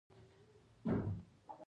د ژبې کومه برخه خوږ خوند حس کوي؟